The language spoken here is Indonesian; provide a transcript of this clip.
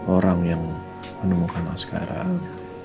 orang yang menemukan sekarang